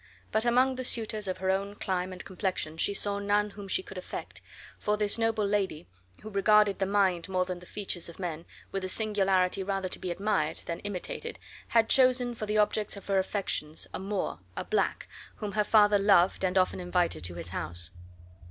But among the suitors of her own clime and complexion she saw none whom she could affect, for this noble lady, who regarded the mind more than the features of men, with a singularity rather to be admired than imitated had chosen for the object of her affections a Moor, a black, whom her father loved and often invited to his house.